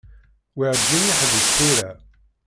Werǧin yeḥbis tira.